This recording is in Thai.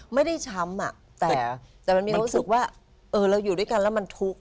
ไม่ได้ช้ำอะแต่มันมีรู้สึกว่าเออเราอยู่ด้วยกันแล้วมันทุกข์